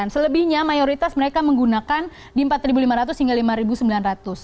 selebihnya mayoritas mereka menggunakan di rp empat lima ratus hingga rp lima sembilan ratus